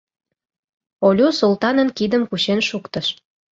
Олю Султанын кидым кучен шуктыш.